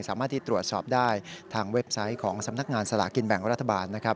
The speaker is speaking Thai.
สามารถที่ตรวจสอบได้ทางเว็บไซต์ของสำนักงานสลากินแบ่งรัฐบาลนะครับ